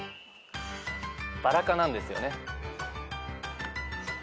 バラ科なんですよね。